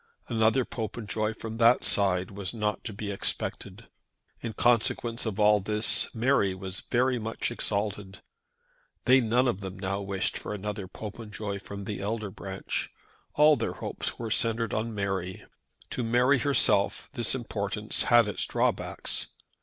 Another Popenjoy from that side was not to be expected. In consequence of all this Mary was very much exalted. They none of them now wished for another Popenjoy from the elder branch. All their hopes were centred in Mary. To Mary herself this importance had its drawbacks.